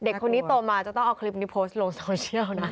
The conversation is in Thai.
เด็กคนนี้โตมาจะต้องเอาคลิปนี้โพสต์ลงโซเชียลนะ